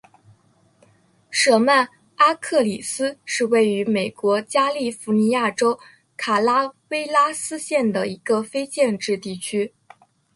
舍曼阿克里斯是位于美国加利福尼亚州卡拉韦拉斯县的一个非建制地区。